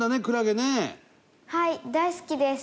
はい大好きです！